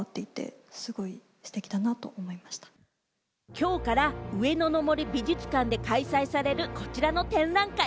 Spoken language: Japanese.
きょうから上野の森美術館で開催されるこちらの展覧会。